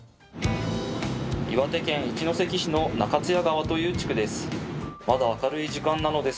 岩手県一関市の中津谷川という地区です。